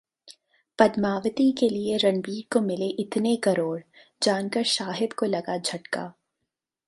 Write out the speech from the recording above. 'पद्मावती' के लिए रणवीर को मिले इतने करोड़, जानकर शाहिद को लगा झटका